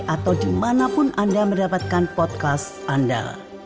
atau dimanapun anda mendapatkan podcast anda